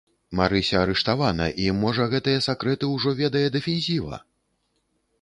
Марыся арыштавана, і, можа, гэтыя сакрэты ўжо ведае дэфензіва?